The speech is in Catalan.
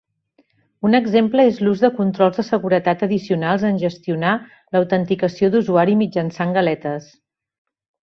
Un exemple és l'ús de controls de seguretat addicionals en gestionar l'autenticació d'usuari mitjançant galetes.